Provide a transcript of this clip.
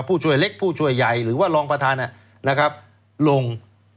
ผู้ช่วยเล็กผู้ช่วยใหญ่หรือว่ารองประธานนะครับลง